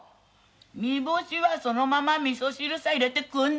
煮干しはそのままみそ汁さ入れて食うんだ。